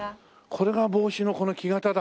これが帽子の木型だ。